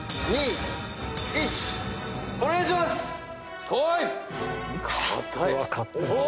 お願いします！